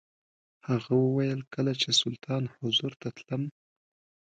هغه وویل کله چې سلطان حضور ته تللم.